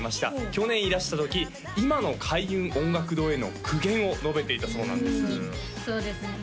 去年いらした時今の開運音楽堂への苦言を述べていたそうなんですそうですね